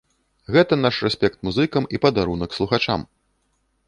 Гэта наш рэспект музыкам і падарунак слухачам!